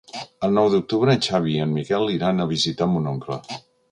El nou d'octubre en Xavi i en Miquel iran a visitar mon oncle.